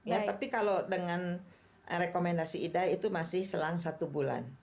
ya tapi kalau dengan rekomendasi ida itu masih selang satu bulan